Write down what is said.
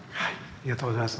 ありがとうございます。